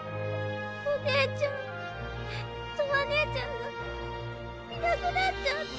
おねえちゃんとわねえちゃんがいなくなっちゃった。